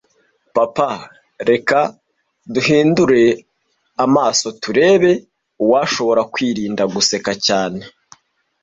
Papa, reka duhindure amaso turebe uwashobora kwirinda guseka cyane.